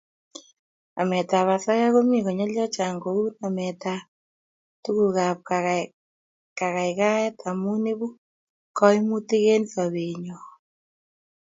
Nametab osoya komi konyil chechang kou nametab tugukab kaikaikaet amu ibu koimutik eng sobenyo